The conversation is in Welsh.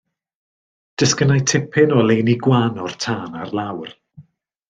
Disgynnai tipyn o oleuni gwan o'r tân ar lawr.